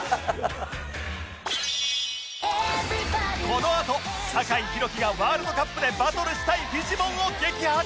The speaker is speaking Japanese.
このあと酒井宏樹がワールドカップでバトルしたいフィジモンを激白！